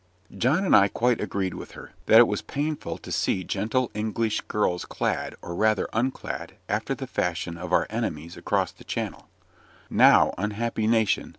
John and I quite agreed with her, that it was painful to see gentle English girls clad, or rather un clad, after the fashion of our enemies across the Channel; now, unhappy nation!